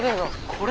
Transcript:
これ？